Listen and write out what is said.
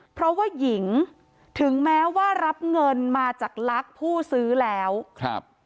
เพราะว่าหญิงถึงแม้ว่ารับเงินมาจากลักษณ์ผู้ซื้อแล้วครับ